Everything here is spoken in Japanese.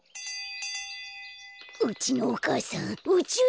うちのお母さんうちゅう